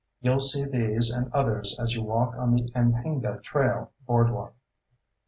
You'll see these and others as you walk on the Anhinga Trail boardwalk.